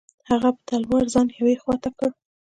هغه په تلوار ځان یوې خوا ته کړ.